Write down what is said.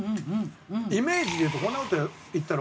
イメージで言うとこんな事言ったら怒られるのかな。